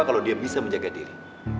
kalau dia bisa menjaga diri